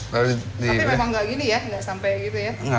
tapi memang nggak gini ya nggak sampai gitu ya